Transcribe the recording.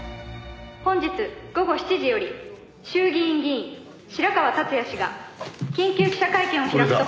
「本日午後７時より衆議院議員白河達也氏が緊急記者会見を開くと発表しました」